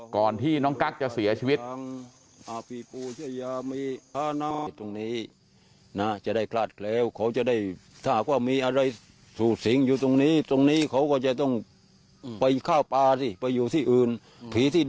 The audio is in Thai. ก่อนที่น้องกั๊กจะเสียชีวิต